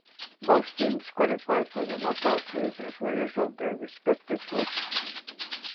Both teams qualified for the knockout phase as winners of their respective groups.